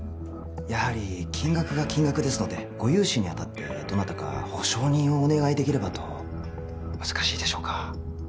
やはり金額が金額ですのでご融資にあたってどなたか保証人をお願いできればと☎難しいでしょうか？